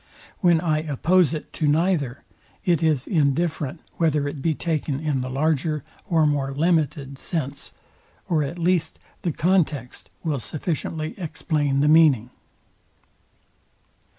When I oppose it to neither, it is indifferent whether it be taken in the larger or more limited sense, or at least the context will sufficiently explain the meaning.